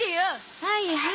はいはい。